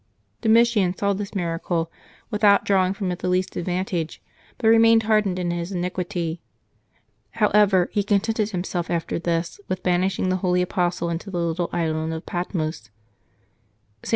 Domitian saw this miracle without drawing from it the least advan tage, but remained hardened in his iniquity. However, he contented himself after this with banishing the holy apostle into the little island of Patmos. St.